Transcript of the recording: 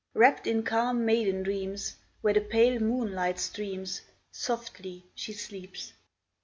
Wrapped in calm maiden dreams, Where the pale moonlight streams, Softly she sleeps.